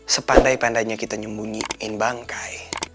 sepandai pandainya kita nyembunyiin bangkai